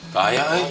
ke ayah eh